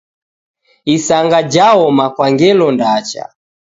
Isanga jaoma kwa ngelo ndacha.